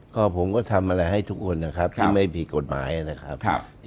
ก็ผมก็ทำอะไรให้ทุกคนนะครับที่ไม่ผิดกฎหมายนะครับ